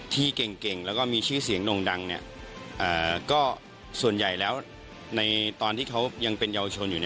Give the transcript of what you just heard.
ที่เก่งแล้วก็มีชื่อเสียงโด่งดังก็ส่วนใหญ่แล้วในตอนที่เขายังเป็นเยาวชนอยู่